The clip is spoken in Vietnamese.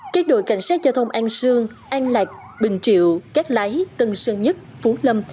các đội cảnh sát giao thông an sương an lạc bình triệu cát lái tân sơn nhất phú lâm